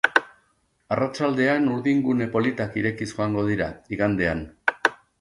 Arratsaldean urdingune politak irekiz joango dira, igandean.